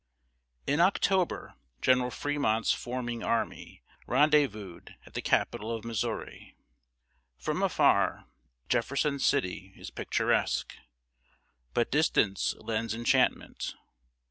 In October, General Fremont's forming army rendezvoused at the capital of Missouri. From afar, Jefferson City is picturesque; but distance lends enchantment.